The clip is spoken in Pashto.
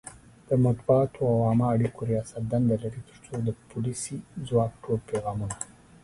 د مطبوعاتو او عامه اړیکو ریاست دنده لري ترڅو د پولیسي ځواک ټول پیغامونه